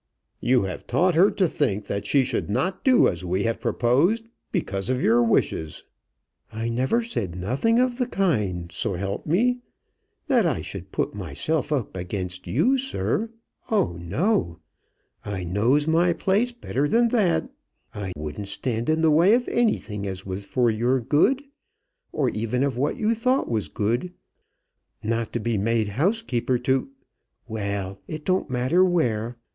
"You have taught her to think that she should not do as we have proposed, because of your wishes." "I never said nothing of the kind, so help me. That I should put myself up again you, sir! Oh no! I knows my place better than that. I wouldn't stand in the way of anything as was for your good, or even of what you thought was good, not to be made housekeeper to Well, it don't matter where.